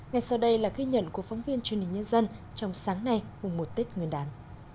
ngay sau đây là ghi nhận của phóng viên truyền hình nhân dân trong sáng nay mùng một tết nguyên đán